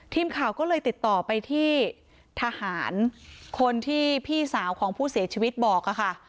ทีมข่าวก็เลยติดต่อไปที่ทหารคนที่พี่สาวของผู้เสียชีวิตบอกค่ะ